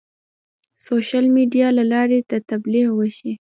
سوشیل میډیا له لارې د تبلیغ وشي.